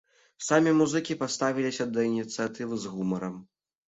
Самі музыкі паставіліся да ініцыятывы з гумарам.